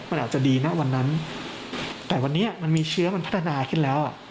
มันอาจจะดีนะวันนั้นแต่วันนี้มันมีเชื้อมันพัฒนาขึ้นแล้วอ่ะ